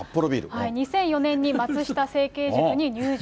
２００４年に松下政経塾に入塾。